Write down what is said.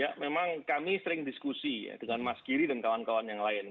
ya memang kami sering diskusi ya dengan mas giri dan kawan kawan yang lain